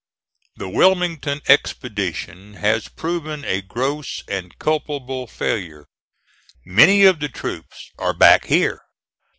The Wilmington expedition has proven a gross and culpable failure. Many of the troops are back here.